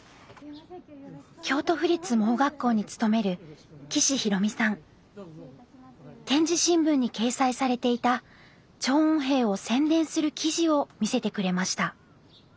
京都府立盲学校に勤める点字新聞に掲載されていた聴音兵を宣伝する記事を見せてくれました。